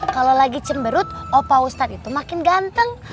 kalo lagi cemberut opa ustadz itu makin gampang